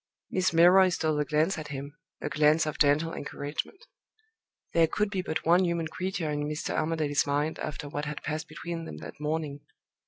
Miss Milroy stole a glance at him a glance of gentle encouragement. There could be but one human creature in Mr. Armadale's mind after what had passed between them that morning!